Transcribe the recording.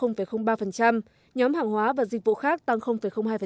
nhóm hàng hóa và dịch vụ khác tăng hai